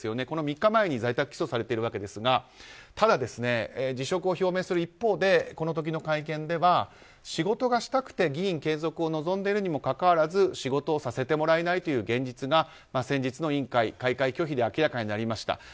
この３日前に在宅起訴されているわけですが辞職を表明する一方でこの時の会見では仕事がしたくて議員継続を望んでいるにもかかわらず仕事をさせてもらえないという現実が先日の委員会開会拒否で明らかになりました。